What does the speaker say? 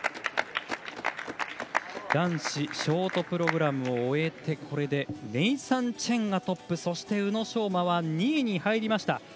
男子ショートプログラムを終えてこれでネイサン・チェンがトップそして宇野昌磨は２位に入りました。